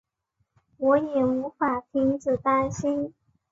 我也无法停止担心